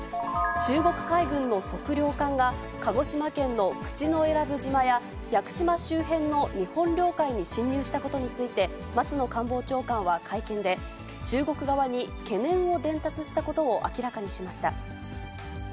中国海軍の測量艦が、鹿児島県の口永良部島や屋久島周辺の日本領海に侵入したことについて、松野官房長官は会見で、中国側に懸念を伝達したことを明らかにしました。